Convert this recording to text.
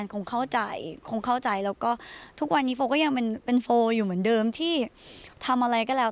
คงเข้าใจคงเข้าใจแล้วก็ทุกวันนี้โฟก็ยังเป็นโฟลอยู่เหมือนเดิมที่ทำอะไรก็แล้ว